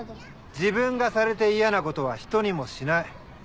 自分がされて嫌なことはひとにもしない。